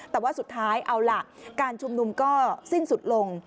แต่ว่าสุดท้ายเอาล่ะการชุมนุมก็สิ้นสุดลง